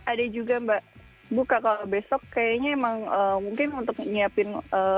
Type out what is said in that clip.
ada juga mbak buka kalau besok kayaknya emang mungkin untuk nyiapin